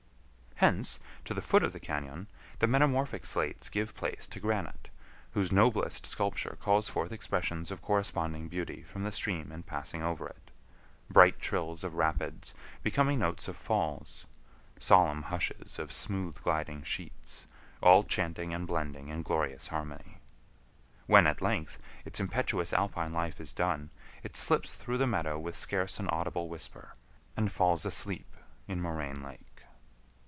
Hence, to the foot of the cañon, the metamorphic slates give place to granite, whose nobler sculpture calls forth expressions of corresponding beauty from the stream in passing over it,—bright trills of rapids, booming notes of falls, solemn hushes of smooth gliding sheets, all chanting and blending in glorious harmony. When, at length, its impetuous alpine life is done, it slips through a meadow with scarce an audible whisper, and falls asleep in Moraine Lake.